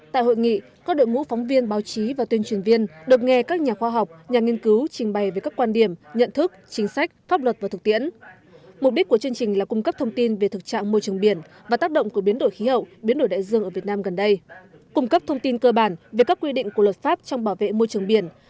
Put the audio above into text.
tại hội nghị các đội ngũ phóng viên báo chí và tuyên truyền viên được nghe các nhà khoa học nhà nghiên cứu trình bày về các quan điểm nhận thức chính sách pháp luật và thực tiễn